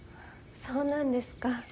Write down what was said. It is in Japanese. そうなんですか。